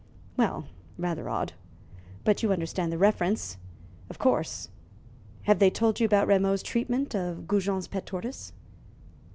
"Well, rather odd. But you understand the reference, of course. Have they told you about Rameau's treatment of Goujon's pet tortoise?"